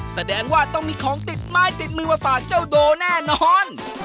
แสดงว่าต้องมีของติดไม้ติดมือมาฝากเจ้าโดแน่นอน